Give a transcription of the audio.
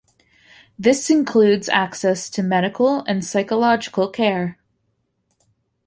This includes access to medical and psychological care.